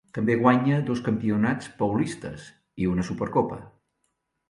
També guanya dos Campionats Paulistes i una Supercopa.